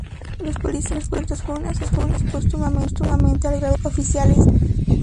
Los policías muertos fueron ascendidos póstumamente al grado de suboficiales.